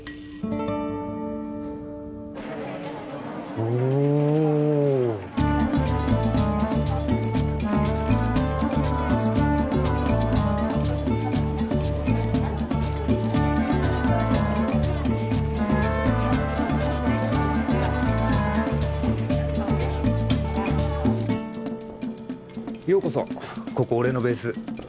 おおようこそここ俺のベース